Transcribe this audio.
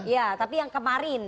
iya tapi yang kemarin